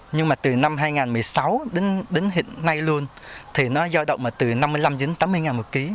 nhưng mà từ năm hai nghìn một mươi sáu đến hiện nay luôn thì nó do động từ năm mươi năm đến tám mươi đồng một kg